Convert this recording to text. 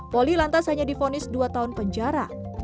poli lantas hanya difonis dua tahun penjara